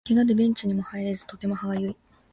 ケガでベンチにも入れずとても歯がゆい